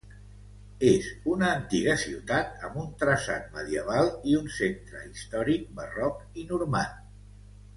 És una antiga ciutat amb un traçat medieval i un centre històric Barroc i Normand.